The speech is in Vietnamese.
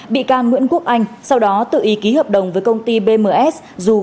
bị can nguyễn quốc anh sau đó tự ý ký hợp đồng với công ty bms dù